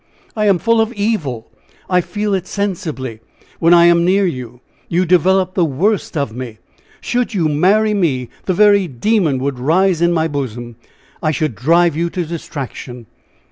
I am full of evil! I feel it sensibly, when I am near you! You develop the worst of me! Should you marry me, the very demon would rise in my bosom! I should drive you to distraction!"